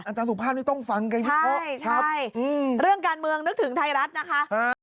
อาจารย์สุภาพนี่ต้องฟังกันไงพี่พี่โฮะชับใช่เรื่องการเมืองนึกถึงไทยรัฐนะคะ